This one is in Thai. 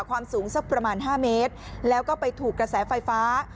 ความสูงสักประมาณ๕เมตรแล้วก็ไปถูกกระแสไฟฟ้า